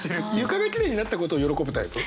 床がきれいになったことを喜ぶタイプ？